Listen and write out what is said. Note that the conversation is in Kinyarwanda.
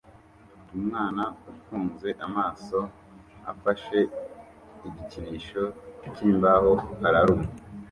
Umwana ufunze amaso afashe igikinisho cyimbaho araruma